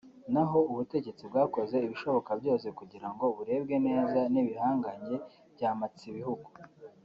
naho ubutegetsi bwakoze ibishoboka byose kugira ngo burebwe neza n’ibihangange bya mpatsibihugu